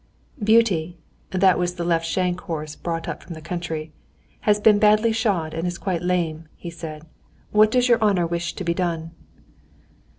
"Beauty" (that was the left shaft horse brought up from the country) "has been badly shod and is quite lame," he said. "What does your honor wish to be done?"